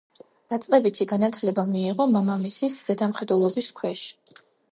დაწყებითი განათლება მიიღო მამამისი ზედამხედველობის ქვეშ.